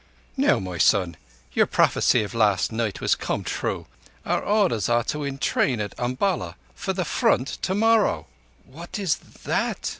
"Now, my son, your prophecy of last night has come true. Our orders are to entrain at Umballa for the Front tomorrow." "What is thatt?"